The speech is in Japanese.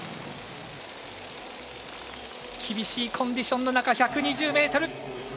厳しいコンディションの中１２０ｍ。